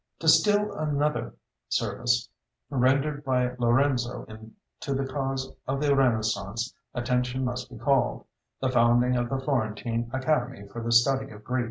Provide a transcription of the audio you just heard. To still another service rendered by Lorenzo to the cause of the Renaissance attention must be called the founding of the Florentine Academy for the study of Greek.